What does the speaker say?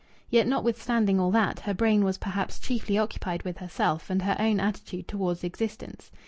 Yet, notwithstanding all that, her brain was perhaps chiefly occupied with herself and her own attitude towards existence.